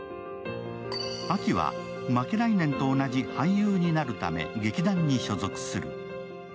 アキはマケライネンと同じ俳優になるため劇団に所属する。